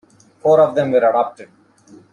Four of them were adopted.